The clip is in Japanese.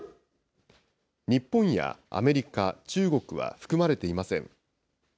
日本やアメリカ、中国は含まれていません。